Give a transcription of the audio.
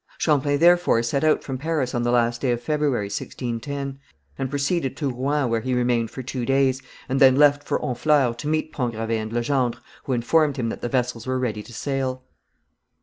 Champlain therefore set out from Paris on the last day of February, 1610, and proceeded to Rouen, where he remained for two days, and then left for Honfleur, to meet Pont Gravé and Legendre, who informed him that the vessels were ready to sail.